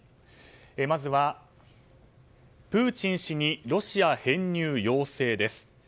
まずはプーチン氏にロシア編入要請です。